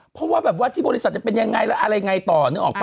เพราะว่าแบบว่าที่บริษัทจะเป็นยังไงแล้วอะไรไงต่อนึกออกป่